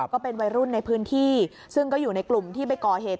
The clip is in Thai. ก็เป็นวัยรุ่นในพื้นที่ซึ่งก็อยู่ในกลุ่มที่ไปก่อเหตุ